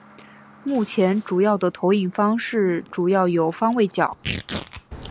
目前主要的投影方式主要有方位角。